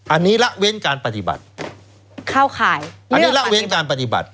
อันนี้ละเว้นการปฏิบัติเข้าข่ายอันนี้ละเว้นการปฏิบัติ